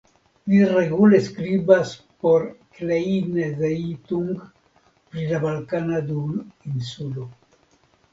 Li regule skribas por Kleine Zeitung pri la Balkana duoninsulo.